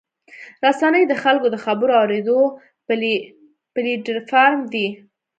رسنۍ د خلکو د خبرو اورېدو پلیټفارم دی.